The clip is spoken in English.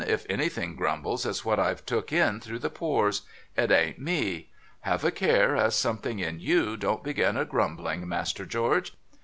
' If anything grumbles, it's what I've took in through the pores; it ain't me. Have a care as something in you don't begin a grumbling. Master George.